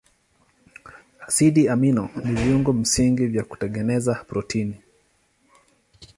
Asidi amino ni viungo msingi vya kutengeneza protini.